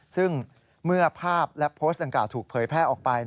ซึ่งเมื่อภาพและโพสต์ดังกล่าถูกเผยแพร่ออกไป